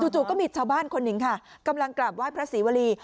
จู่ก็มีชาวบ้านคนหนึ่งค่ะกำลังกราบไหว้พระศรีวรี